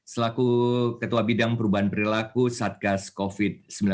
selaku ketua bidang perubahan perilaku satgas covid sembilan belas